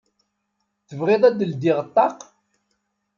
Tebɣiḍ ad d-ldiɣ ṭṭaq?